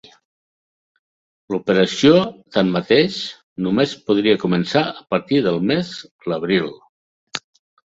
L'operació, tanmateix, només podria començar a partir del mes l'abril.